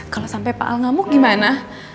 kalau sampai pak al ngamuk gimana